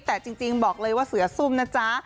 แต่จริงบอกเลยว่าเสือซุ่มนะจ๊ะ